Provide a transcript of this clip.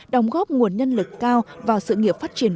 đóng góp nguồn nhân lực cao vào sự nghiệp phát triển